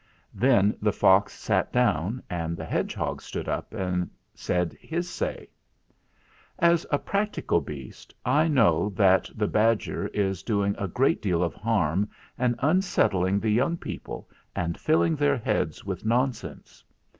Then the fox sat down and the hedgehog stood up and said his say: "As a practical beast, I know that the bad ger is doing a great deal of harm and unset tling the young people and filling their heads with nonsense.